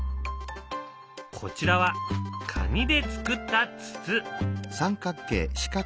こちらは紙でつくった筒。